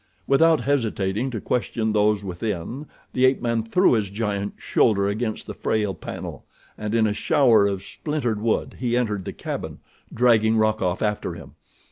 Without hesitating to question those within, the ape man threw his giant shoulder against the frail panel, and in a shower of splintered wood he entered the cabin, dragging Rokoff after him.